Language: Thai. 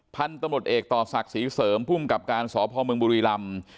พันธุ์ตำรวจเอกต่อศักดิ์ศรีเสริมภูมิกับการสพเมืองบุรีรำ